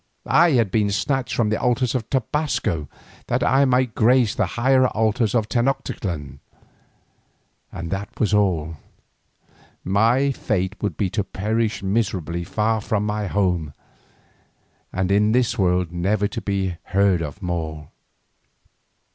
I had been snatched from the altars of Tobasco that I might grace the higher altars of Tenoctitlan, and that was all. My fate would be to perish miserably far from my home, and in this world never to be heard of more.